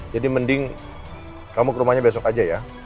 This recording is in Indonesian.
jadi mending kamu ke rumahnya besok aja ya